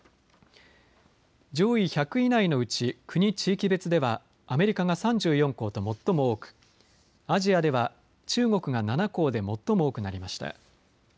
上位１００位内のうち国・地域別ではアメリカが３４校と最も多く、アジアでは中国が７校で最も多くなりました。